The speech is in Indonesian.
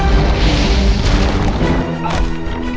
beb bijak parah sekali